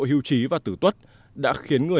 hưu trí và tử tuất đã khiến người